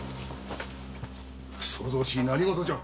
騒々しい何事じゃ？